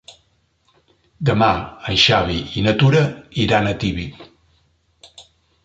Demà en Xavi i na Tura iran a Tibi.